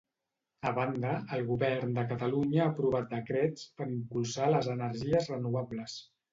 A banda, el Govern de Catalunya ha aprovat decrets per impulsar les energies renovables.